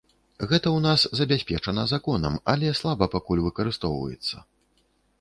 Гэта ў нас забяспечана законам, але слаба пакуль выкарыстоўваецца.